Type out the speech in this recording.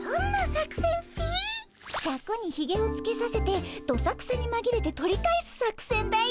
シャクにひげをつけさせてどさくさにまぎれて取り返す作戦だよ。